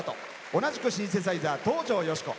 同じくシンセサイザー、東条慶子。